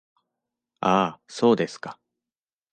ああ、そうですか…。